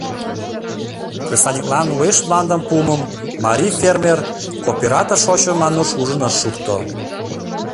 Кресаньыклан уэш мландым пуымым, марий фермер, кооператор шочмым Ануш ужын ыш шукто.